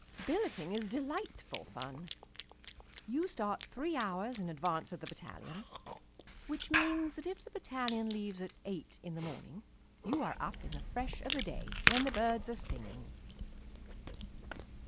Billeting is delightful fun. You start three hours in advance of the battalion, which means that if the battalion leaves at eight in the morning, you are up in the fresh of the day, when the birds are singing.